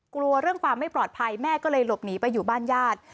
กลัวเรื่องความไม่ปลอดภัยแม่ก็เลยหลบหนีไปอยู่บ้านญาติ